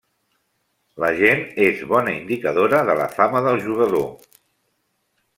La gent és bona indicadora de la fama del jugador.